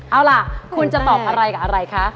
เอาล่ะคุณจะตอบอะไรกับอะไรคะ